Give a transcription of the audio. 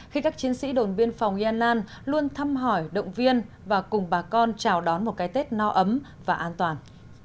khi các chiến sĩ đồn biên phòng yên an luôn thăm hỏi động viên và cùng bà con chào đón một cái tết no ấm và an toàn